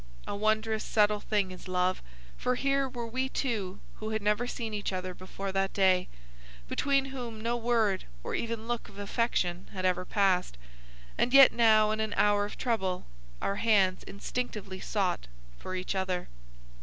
A wondrous subtle thing is love, for here were we two who had never seen each other before that day, between whom no word or even look of affection had ever passed, and yet now in an hour of trouble our hands instinctively sought for each other.